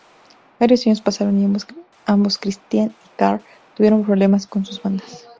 Varios años pasaron y ambos Christian y Carl tuvieron problemas con sus bandas.